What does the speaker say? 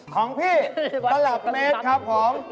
ของพี่กระหลักเมตรครับผม